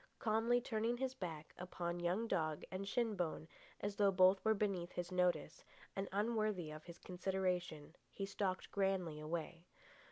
Calmly turning his back upon young dog and shin bone, as though both were beneath his notice and unworthy of his consideration, he stalked grandly away.